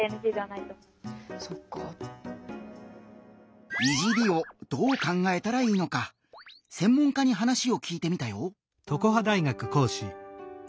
「いじり」をどう考えたらいいのか専門家に話を聞いてみたよ！